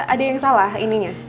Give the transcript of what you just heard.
ada yang salah ininya